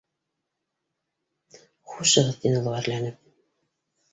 Хушығыҙ, — тине ул, ғәрләнеп